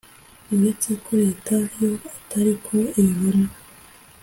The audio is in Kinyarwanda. uretse ko Leta yo atariko ibibona